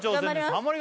ハモリ